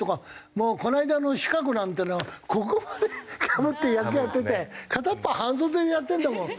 もうこの間のシカゴなんていうのはここまでかぶって野球やってて片っぽは半袖でやってるんだもん。